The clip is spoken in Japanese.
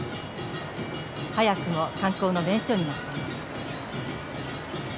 早くも観光の名所になっています。